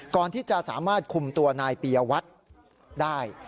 ก่อนที่จะสามารถคุมตัวนายปียวัตรได้